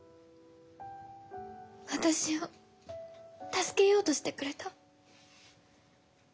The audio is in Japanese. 私を助けようとしてくれた。